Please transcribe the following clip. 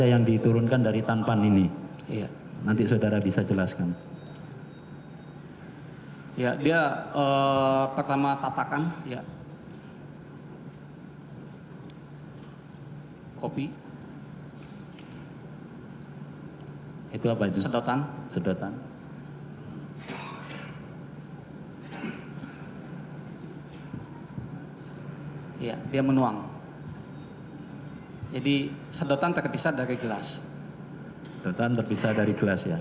yang tadi pak yari